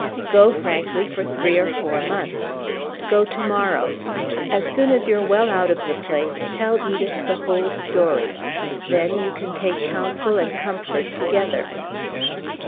Go frankly, for three or four months. Go to morrow. As soon as you're well out of the place, tell Edith the whole story. Then you can take counsel and comfort together."